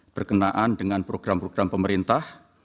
berkenaan dengan program program pemerintah